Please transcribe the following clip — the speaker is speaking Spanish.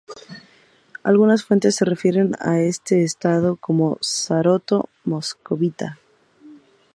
Algunas fuentes se refieren a este Estado como Zarato moscovita.